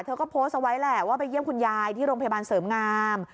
เธอก็โพสต์เอาไว้แหละว่าไปเยี่ยมคุณยายที่โรงพยาบาลเสริมงาม